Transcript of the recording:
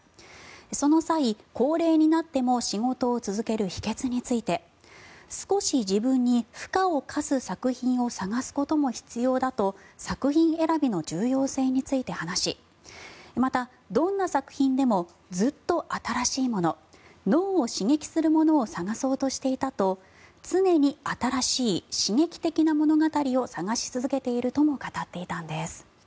その際、高齢になっても仕事を続ける秘けつについて少し自分に負荷を課す作品を探すことも必要だと作品選びの重要性について話しまた、どんな作品でもずっと新しいもの脳を刺激するものを探そうとしていたと常に新しい刺激的な物語を探し続けているとも語っていたそうです。